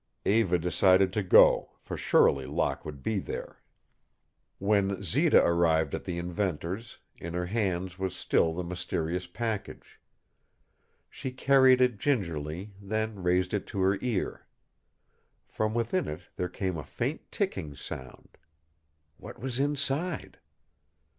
Eva decided to go, for surely Locke would be there. When Zita arrived at the inventor's, in her hands was still the mysterious package. She carried it gingerly, then raised it to her ear. From within it there came a faint ticking sound. What was it inside?